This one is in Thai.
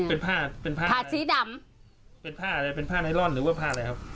เป็นผ้าเป็นผ้าผ้าสีดำเป็นผ้าอะไรเป็นผ้าไนลอนหรือว่าผ้าอะไรครับ